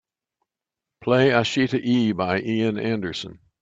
Play Ashita E by Ian Anderson